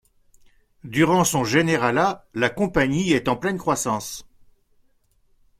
Durant son généralat la Compagnie est en pleine croissance.